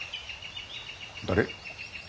誰？